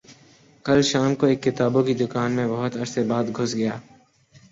کل شام کو ایک کتابوں کی دکان میں بہت عرصے بعد گھس گیا